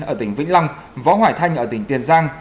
ở tỉnh vĩnh long võ hoài thanh ở tỉnh tiền giang